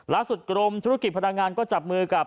ลักษุทธิ์กรมธุรกิจพนักงานก็จับมือกับ